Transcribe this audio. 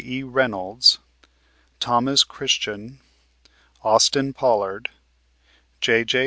E. Reynolds, Thomas Christian, Austin Pollard, J.J.